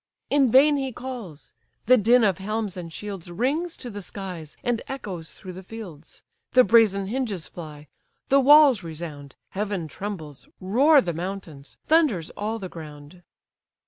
In vain he calls; the din of helms and shields Rings to the skies, and echoes through the fields, The brazen hinges fly, the walls resound, Heaven trembles, roar the mountains, thunders all the ground.